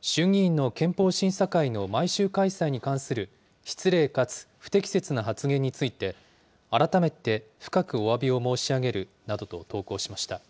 衆議院の憲法審査会の毎週開催に関する、失礼かつ不適切な発言について、改めて深くおわびを申し上げるなどと投稿しました。